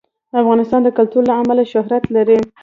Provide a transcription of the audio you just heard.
افغانستان د کلتور له امله شهرت لري.